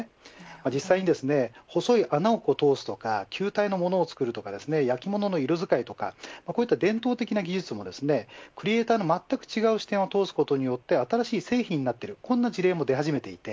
実際に細い穴を通すとか球体のものを作るとか焼き物の色使いとか伝統的な技術もクリエイターのまったく違う視点を通すことによって新しい製品になっているという事例も出始めています。